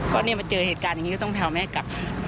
ก็เนี่ยมาเจอเหตุการณ์อย่างนี้ก็ต้องพาแม่กลับ